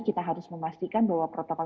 kita harus memastikan bahwa protokol